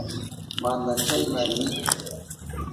Mana chayma rinichu.